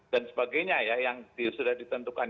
dan sebagainya ya yang sudah ditentukan